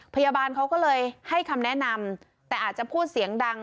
พยาบาลเขาก็เลยให้คำแนะนำแต่อาจจะพูดเสียงดัง